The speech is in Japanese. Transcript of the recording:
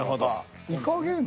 「イカゲーム」？